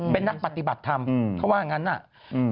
เป็นนักปฏิบัติธรรมเขาว่าอย่างนั้น